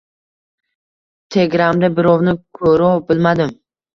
Tegramda birovni ko’ro bilmadim